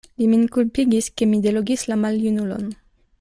Li min kulpigis, ke mi delogis la maljunulon.